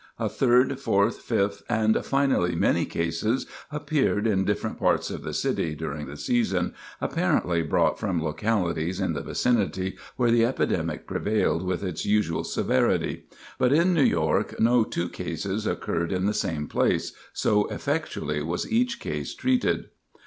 A third, fourth, fifth, and finally many cases appeared in different parts of the city during the season, apparently brought from localities in the vicinity where the epidemic prevailed with its usual severity; but in New York no two cases occurred in the same place, so effectually was each case treated.